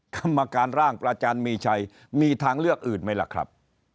กรรมการร่างประจารย์มีชัยมีทางเลือกอื่นไหมล่ะครับ